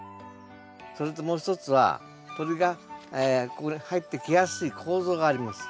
それともう一つは鳥がここに入ってきやすい構造があります。